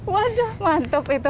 waduh mantap itu